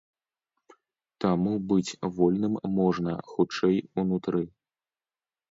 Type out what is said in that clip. Таму быць вольным можна, хутчэй, унутры.